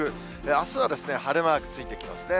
あすは晴れマークついてきますね。